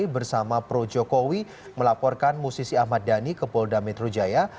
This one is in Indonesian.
bersama pro jokowi melaporkan musisi ahmad dhani ke polda metro jaya